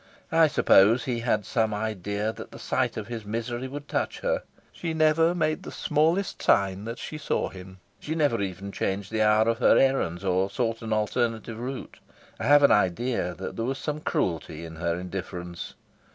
I suppose he had some idea that the sight of his misery would touch her. She never made the smallest sign that she saw him. She never even changed the hour of her errands or sought an alternative route. I have an idea that there was some cruelty in her indifference.